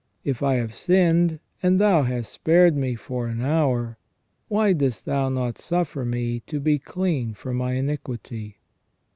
If I have sinned, and Thou hast spared me for an hour, why dost Thou not suffer me to be clean from my iniquity